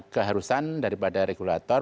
keharusan daripada regulator